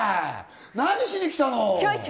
何しに来たの？